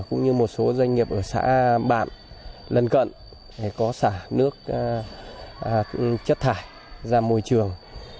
cũng như một số doanh nghiệp ở xã bạm lần cận có xã nước chất thải ra môi trường